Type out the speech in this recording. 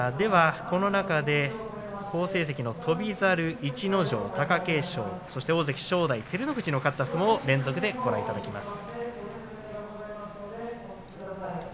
この中で好成績の翔猿逸ノ城、貴景勝、大関正代照ノ富士の勝った相撲をご覧いただきます。